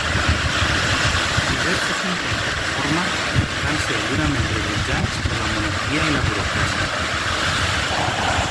Diversos intents de reforma van ser durament rebutjats per la monarquia i la burocràcia.